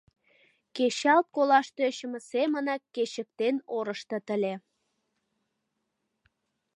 Кечалт колаш тӧчымӧ семынак кечыктен орыштыт ыле.